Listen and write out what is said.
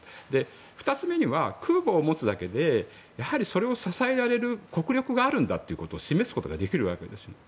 ２つ目には、空母を持つだけでそれを支えられる国力があるんだということを示すことができるわけです。